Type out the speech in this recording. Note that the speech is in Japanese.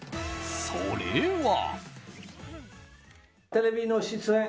それは。